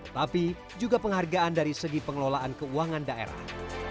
tapi juga penghargaan dari segi pengelolaan keuangan daerah